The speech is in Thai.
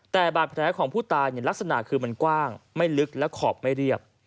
แต่บาดแผลของผู้ตายลักษณะคือมันกว้างไม่ลึกและขอบไม่เรียบ